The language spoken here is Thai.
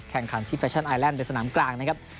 แข่งขันที่แฟชั่นไอแลนดในสนามกลางนะครับ